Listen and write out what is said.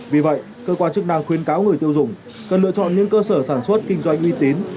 vì vậy cơ quan chức năng khuyên cáo người tiêu dùng cần lựa chọn những cơ sở sản xuất kinh doanh uy tín